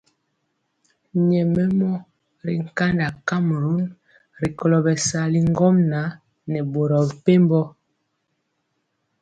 Nyɛmemɔ ri kanda kamrun rikolo bɛsali ŋgomnaŋ nɛ boro mepempɔ.